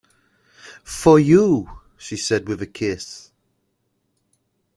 "For you," she said with a kiss.